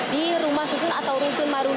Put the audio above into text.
di rumah susun atau rusun marunda